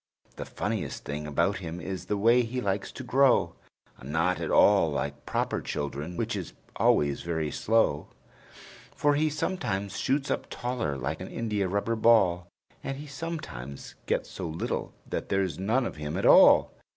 The funniest thing about him is the way he likes to grow Not at all like proper children, which is always very slow; For he sometimes shoots up taller like an india rubber ball, And he sometimes gets so little that there's none of him at all.